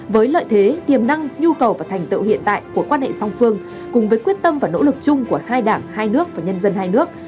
với lợi thế tiềm năng nhu cầu và thành tựu hiện tại của quan hệ song phương cùng với quyết tâm và nỗ lực chung của hai đảng hai nước và nhân dân hai nước